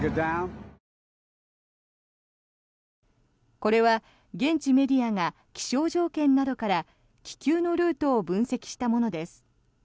これは現地メディアが気象条件などから気球のルートを分析したものです。